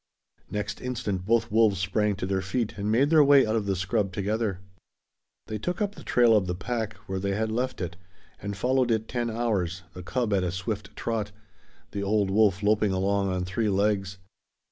Next instant both wolves sprang to their feet and made their way out of the scrub together. They took up the trail of the pack where they had left it, and followed it ten hours, the cub at a swift trot, the old wolf loping along on three legs.